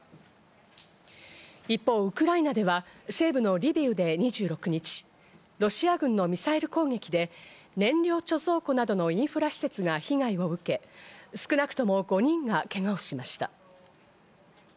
一方、ウクライナでは西部のリビウで２６日、ロシア軍のミサイル攻撃で燃料貯蔵庫などのインフラ施設が被害を受け、少なくとも５人がけがをしました。